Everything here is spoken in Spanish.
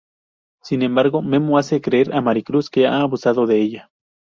Sin embargo, Memo hace creer a Maricruz que ha abusado de ella.